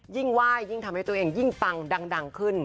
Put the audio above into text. ไหว้ยิ่งทำให้ตัวเองยิ่งปังดังขึ้น